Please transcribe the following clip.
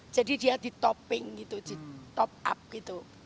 jadi dia di topping gitu top up gitu